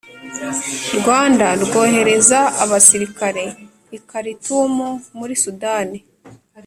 Rwanda rwohereza abasirikare i Karitumu muri Sudani